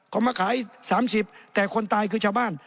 เขามาขาย๓๐แต่คนตายคือชาวบ้าน